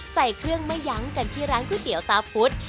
ใส่เครื่องไม่ยั้งกันที่ร้านก๋วยเตี๋ยวตาพุธ